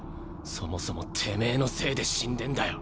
そもそもてめぇのせいで死んでんだよ。